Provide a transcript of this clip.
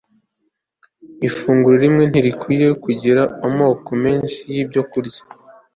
Ifunguro rimwe ntirikwiriye kugira amoko menshi yibyokurya